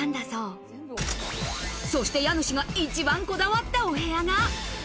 そして家主が、一番こだわったお部屋が。